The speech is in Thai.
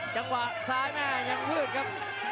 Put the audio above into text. จังหวะซ้ายแม่ยังมืดครับ